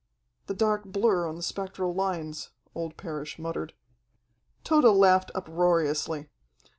"The dark blur on the spectral lines," old Parrish muttered. Tode laughed uproariously.